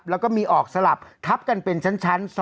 แล้วก็มีออกสลับทับกันเป็นชั้น๒